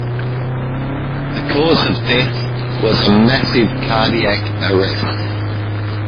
The cause of death was a massive cardiac arrest.